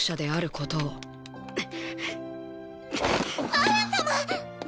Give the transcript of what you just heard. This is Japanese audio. アラン様！